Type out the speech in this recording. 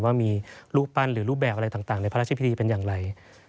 ว่ามีรูปปั้นหรือรูปแบบอะไรต่างในพระราชพิธีเป็นอย่างไร